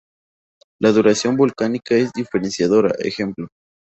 La duración vocálica es diferenciadora, ej.